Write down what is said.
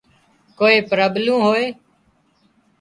ڪوئي پرٻلُون هوئي